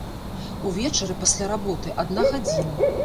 Увечары, пасля работы, адна гадзіна.